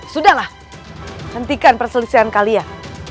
sudahlah hentikan perselisihan kalian